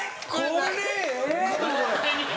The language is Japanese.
これ。